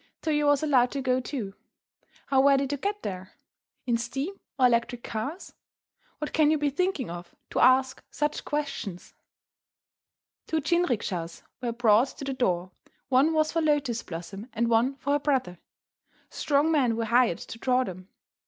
Toyo was allowed to go, too. How were they to get there? In steam or electric cars? What can you be thinking of to ask such questions? Two jinrikishas were brought to the door; one was for Lotus Blossom and one for her brother. Strong men were hired to draw them.